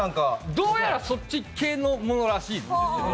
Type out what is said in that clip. どうやらそっち系のものらしい。